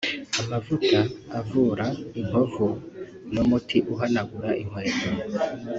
amavuta avura inkovu n’umuti uhanagura inkweto